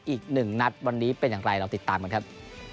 อีกหนึ่งนัดวันนี้เป็นอย่างไรเราติดตามกันครับ